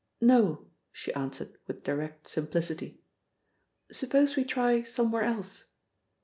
"No," she answered with direct simplicity. "Suppose we try somewhere else."